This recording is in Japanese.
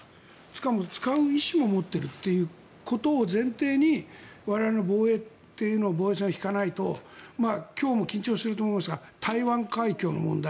しかも、使う意思も持っていることを前提に我々、防衛費を割かないと今日も緊張していると思いますが台湾海峡の問題